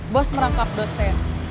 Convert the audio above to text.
bos merangkap dosen